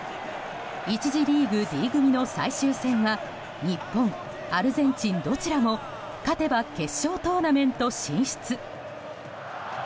１次リーグＤ組の最終戦は日本、アルゼンチンどちらも勝てば決勝トーナメント進出。